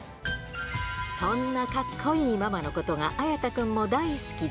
そんなかっこいいママのことが綾太くんも大好きで。